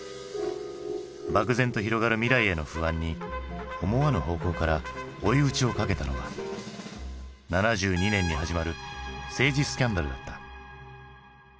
漠然と広がる未来への不安に思わぬ方向から追い打ちをかけたのは７２年に始まる政治スキャンダルだった。